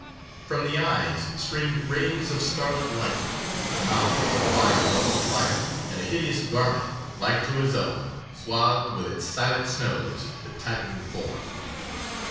From the eyes streamed rays of scarlet light, the mouth was a wide well of fire, and a hideous garment, like to his own, swathed with its silent snows the Titan form.